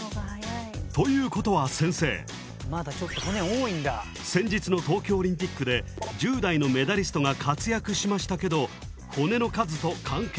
ということは先生先日の東京オリンピックで１０代のメダリストが活躍しましたけど骨の数と関係あるんですか？